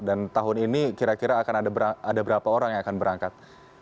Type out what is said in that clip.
dan tahun ini kira kira akan ada berapa orang yang akan berangkat